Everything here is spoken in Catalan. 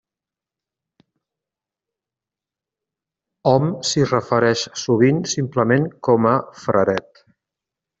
Hom s'hi refereix sovint simplement com a fraret.